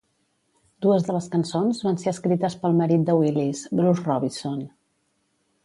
Dues de les cançons van ser escrites pel marit de Willis, Bruce Robison.